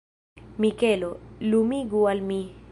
Mikelo, lumigu al mi.